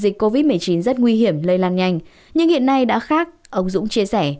dịch covid một mươi chín rất nguy hiểm lây lan nhanh nhưng hiện nay đã khác ông dũng chia sẻ